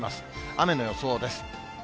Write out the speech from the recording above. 雨の予想です。